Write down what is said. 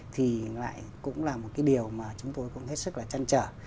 thì lại cũng là một cái điều mà chúng tôi cũng hết sức là chăn trở